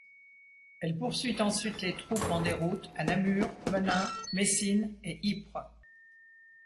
Elle poursuit ensuite les troupes en déroute à Namur, Menin, Messines et Ypres.